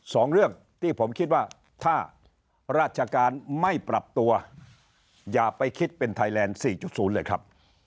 สองเรื่องที่ผมคิดว่าถ้าราชการไม่ปรับตัวอย่าไปคิดเป็นไทยแลนด์๔๐เลยครับ